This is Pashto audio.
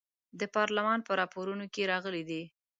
د پارلمان په راپورونو کې راغلي دي.